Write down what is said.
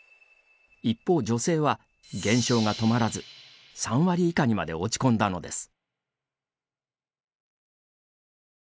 一方、女性は、減少が止まらず３割以下にまで落ち込んだのです。